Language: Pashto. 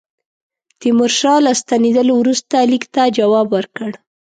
تیمورشاه له ستنېدلو وروسته لیک ته جواب ورکړ.